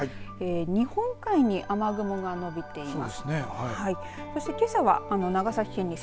日本海に雨雲が伸びています。